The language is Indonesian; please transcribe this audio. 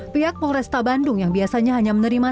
pihak polres kota bandung yang biasanya hanya menerima